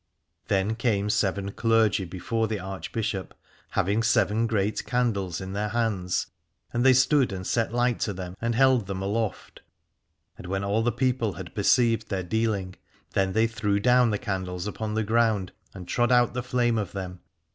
Then came seven clergy before the Arch bishop, having seven great candles in their hands, and they stood and set light to them and held them aloft : and when all the people had perceived their dealing, then they threw down the candles upon the ground and trod out the flame of them.